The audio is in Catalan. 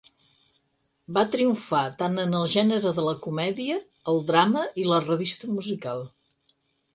Va triomfar tant en el gènere de la comèdia, el drama i la revista musical.